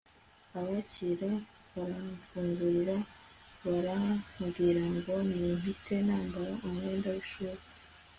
ababikira baramfungurira barambwira ngo nimpite nambara umwenda w'ishuri